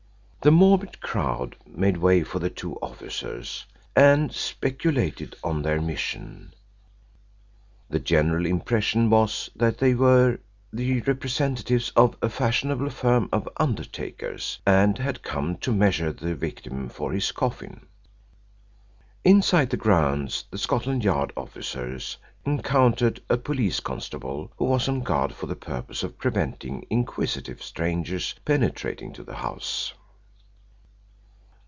The morbid crowd made way for the two officers and speculated on their mission. The general impression was that they were the representatives of a fashionable firm of undertakers and had come to measure the victim for his coffin. Inside the grounds the Scotland Yard officers encountered a police constable who was on guard for the purpose of preventing inquisitive strangers penetrating to the house.